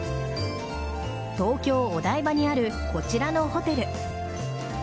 東京・お台場にあるこちらのホテル。